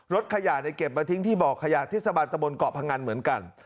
รถขยะเก็บมาทิ้งที่บ่อขยะที่สบัติบนเกาะพังอันเหมือนกัน